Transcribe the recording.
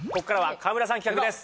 川村さん企画です